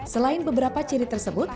selain beberapa ciri tersebut